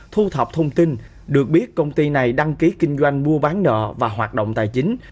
thu thập thông tin được biết công ty này đăng ký kinh doanh mua bán nợ và hoạt động tài chính